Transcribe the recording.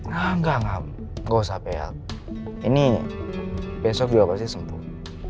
gak gak gak usah bel ini besok juga pasti sembuh